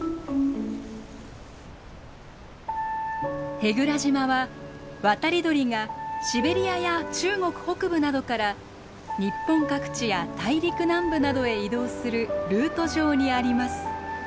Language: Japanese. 舳倉島は渡り鳥がシベリアや中国北部などから日本各地や大陸南部などへ移動するルート上にあります。